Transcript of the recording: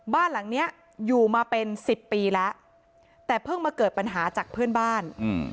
บ้านหลังเนี้ยอยู่มาเป็นสิบปีแล้วแต่เพิ่งมาเกิดปัญหาจากเพื่อนบ้านอืม